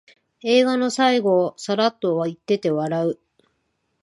映画の最後をサラッと言ってて笑う